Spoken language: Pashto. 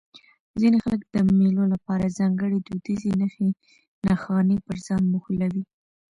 ځيني خلک د مېلو له پاره ځانګړي دودیزې نخښي نښانې پر ځان موښلوي.